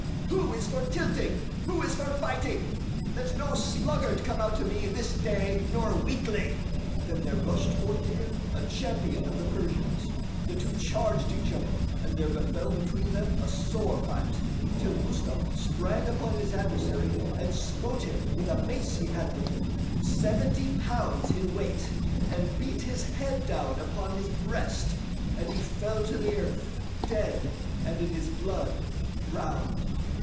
Who is for tilting, who is for fighting? Let no sluggard come out to me this day or weakling!" Then there rushed forth to him a champion of the Persians; the two charged each other and there befel between them a sore fight, till Rustam sprang upon his adversary and smote him with a mace he had with him, seventy pounds in weight, and beat his head down upon his breast, and he fell to the earth, dead and in his blood drowned.